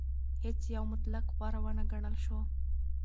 هیڅ یو مطلق غوره ونه ګڼل شو.